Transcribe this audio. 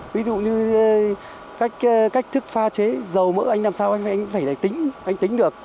ví dụ như cách thức pha chế dầu mỡ anh làm sao anh phải tính anh tính được